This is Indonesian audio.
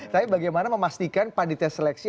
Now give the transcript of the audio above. tapi saya mau memastikan panditnya seleksi